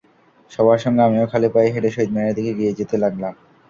সবার সঙ্গে আমিও খালি পায়ে হেঁটে শহীদ মিনারের দিকে এগিয়ে যেতে লাগলাম।